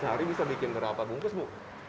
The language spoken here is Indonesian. sehari bisa bikin berapa bungkus bu